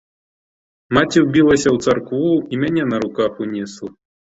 Маці ўбілася ў царкву і мяне на руках унесла.